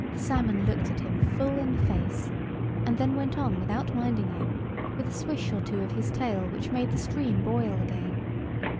The salmon looked at him full in the face, and then went on without minding him, with a swish or two of his tail which made the stream boil again.